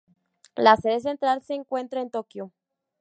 La sede central se encuentra en Tokio.